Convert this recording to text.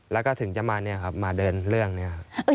แล้วก็ถึงจะมาเดินเรื่องนี้ครับ